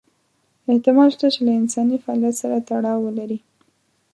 احتمال شته چې له انساني فعالیت سره تړاو ولري.